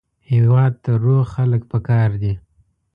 هېواد ته روغ خلک پکار دي